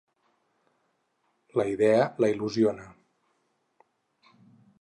La idea la il·lusiona.